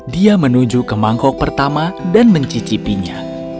dia menuju ke mangkok pertama dan mencicipinya